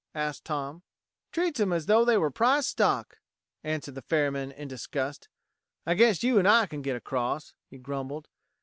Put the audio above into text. asked Tom. "Treats 'em as though they were prize stock," answered the ferryman in disgust. "I guess you and I can get across," he grumbled.